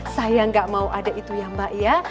saya nggak mau ada itu ya mbak ya